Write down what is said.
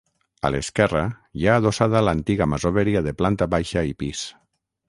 A l'esquerra, hi ha adossada l'antiga masoveria de planta baixa i pis.